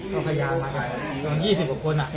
ต้องแยก